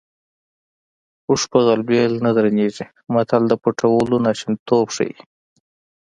اوښ په غلبېل نه درنېږي متل د پټولو ناشونیتوب ښيي